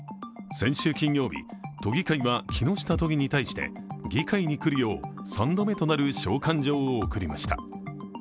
先週金曜日、都議会は木下都議に対して議会に来るよう３度目となる召喚状を送りました。